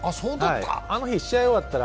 あの日、試合が終わったら